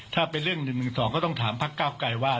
ถ้าเป็นเรื่องหนึ่งสองก็ต้องถามพักเก้าไกรว่า